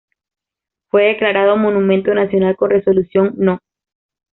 Fue declarado Monumento Nacional con Resolución No.